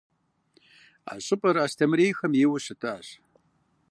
А щӏыпӏэр Астемырейхэм ейуэ щытащ.